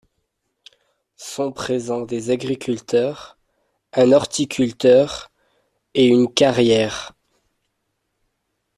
Sont présents des agriculteurs, un horticulteur et une carrière.